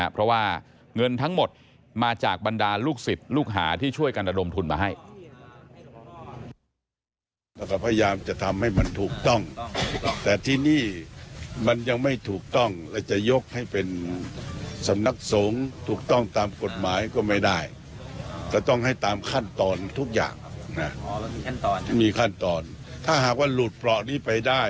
เพราะว่าเงินทั้งหมดมาจากบรรดาลูกศิษย์ลูกหาที่ช่วยกันระดมทุนมาให้